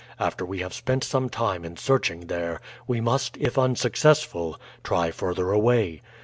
After we have spent some time in searching there, we must, if unsuccessful, try further away.